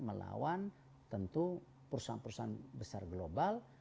melawan tentu perusahaan perusahaan besar global